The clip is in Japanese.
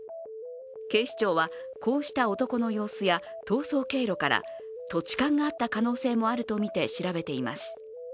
警視庁は、こうした男の様子や逃走経路から土地勘があった可能性もあるとみて調べています。